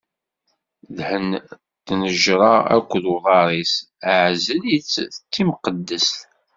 Dhen tnejṛa akked uḍar-is, ɛzel-itt d timqeddest.